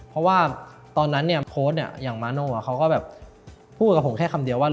เพราะว่าตอนนั้นเนี่ย